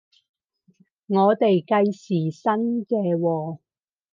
我哋計時薪嘅喎？